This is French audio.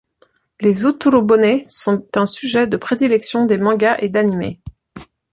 Les Utsuro-bune sont un sujet de prédilection de mangas et d'animes.